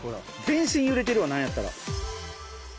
全身揺れてるわ何やったら。